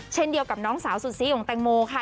เช่นเดียวกับน้องสาวสุดซีของแตงโมค่ะ